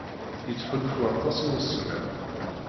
Yettḥulfu aṭas i usemmiḍ.